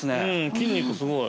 ◆筋肉すごい。